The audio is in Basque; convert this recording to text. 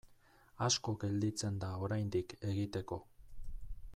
Asko gelditzen da oraindik egiteko.